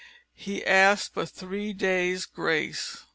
He asked but three days' grace.